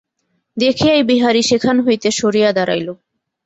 দেখিয়াই বিহারী সেখান হইতে সরিয়া দাঁড়াইল।